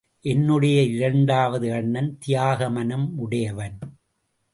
என்னுடைய இரண்டாவது அண்ணன், தியாக மனம் உடையவன்!